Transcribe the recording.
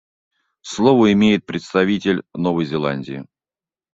Слово имеет представитель Новой Зеландии.